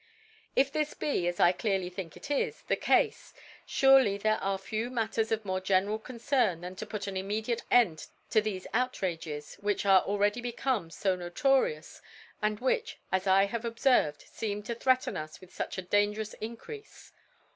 If this be, as I clearly think it is, the Cafe, furely there are few Matters of more general Concern (Kan to put an immediate End to thefe Outrages, which a^e alr^^ady become fo notorious, asid which, as I have obferved, do feera to threaten us with fuch a dangerous Increafe.